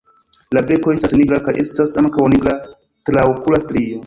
La beko estas nigra kaj estas ankaŭ nigra traokula strio.